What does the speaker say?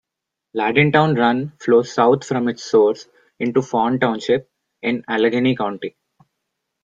Lardintown Run flows south from its source into Fawn Township in Allegheny County.